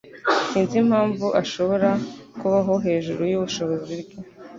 Sinzi impamvu ashobora kubaho hejuru yubushobozi bwe